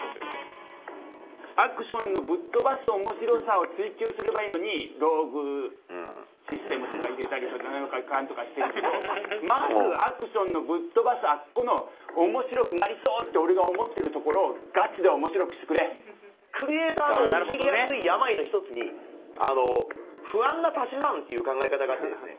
アクションのぶっ飛ばす面白さを追求すればいいのにローグシステムとか入れたり何とかかんとかしてるけどまずアクションのぶっ飛ばすあっこのおもしろくなりそうって俺が思ってるところをクリエイターが陥りやすい病の一つにあの「不安な足し算」っていう考え方があってですね